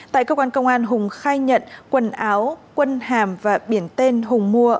tại cơ quan công an hùng khai nhận quần áo quân hàm và biển tên hùng mua